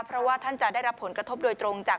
เพราะว่าท่านจะได้รับผลกระทบโดยตรงจาก